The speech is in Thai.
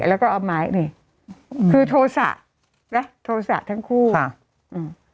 แล้วก็เอาไม้นี่คือโทษะนะโทษะทั้งคู่ค่ะอืม